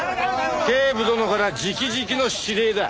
警部殿から直々の指令だ。